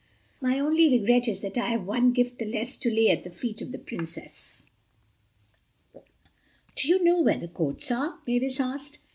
My only regret is that I have one gift the less to lay at the feet of the Princess." "Do you know where the coats are?" Mavis asked.